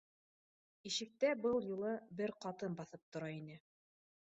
Ишектә был юлы бер ҡатын баҫып тора ине